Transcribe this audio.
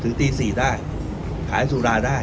คือถ้าสถาบันเทิงที่อยู่ในกลุ่มของโซนนิ่ง๔จังหวัด